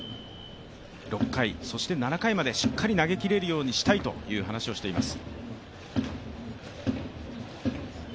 ６回、７回までしっかり投げきれるようにしたいという話をしています。